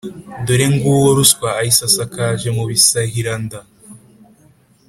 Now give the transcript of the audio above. dore ng'uwo ruswa ayisasakaje mu bisahiranda!